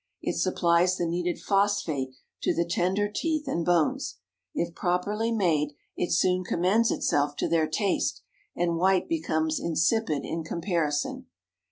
It supplies the needed phosphate to the tender teeth and bones. If properly made, it soon commends itself to their taste, and white becomes insipid in comparison.